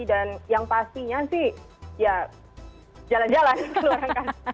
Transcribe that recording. dan yang pastinya sih ya jalan jalan keluar angkasa